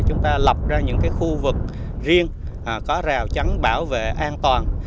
chúng ta lập ra những cái khu vực riêng có rào trắng bảo vệ an toàn